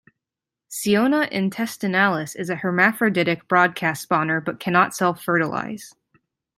"Ciona intestinalis" is a hermaphroditic broadcast spawner but cannot self-fertilize.